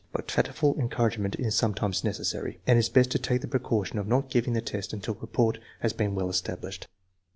But tactful encouragement is some times necessary, and it is best to take the precaution of not giving the test until rapport has been well established.